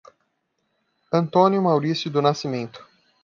Antônio Mauricio do Nascimento